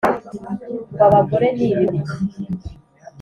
ngo abagore ni ibigoryi